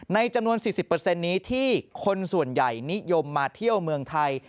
ในจำนวน๔๐นี้ที่คนส่วนใหญ่นิยมมาเที่ยวเมืองไทย